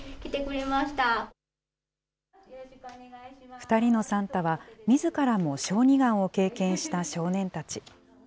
２人のサンタは、みずからも小児がんを経験した少年たち。